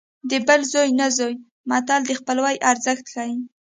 د بل زوی نه زوی متل د خپلوۍ ارزښت ښيي